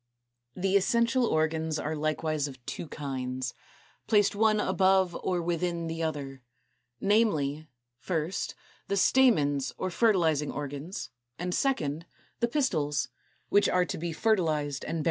=The Essential Organs= are likewise of two kinds, placed one above or within the other; namely, first, the STAMENS or fertilizing organs, and second, the PISTILS, which are to be fertilized and bear the seeds.